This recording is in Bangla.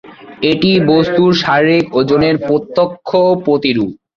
এটি বস্তুর শারীরিক ওজনের প্রত্যক্ষ প্রতিরূপ।